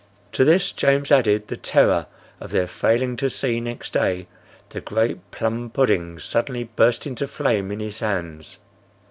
To this James added the terror of their failing to see next day the great plum pudding suddenly burst into flame in his hands.